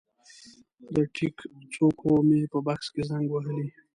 د ټیک څوکو مې په بکس کې زنګ وهلی